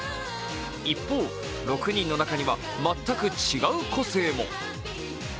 一方、６人の中には全く違う個性も。